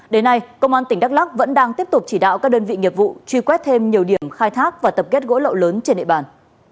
đến nay công an tỉnh đắk lắc vẫn đang tiếp tục chỉ đạo các đơn vị nghiệp vụ truy quét thêm nhiều điểm khai thác và tập kết gỗ lậu lớn trên địa bàn